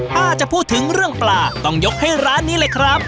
ถ้าจะพูดถึงเรื่องปลาต้องยกให้ร้านนี้เลยครับ